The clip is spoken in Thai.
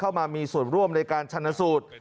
เข้ามามีส่วนร่วมในการชนสูตร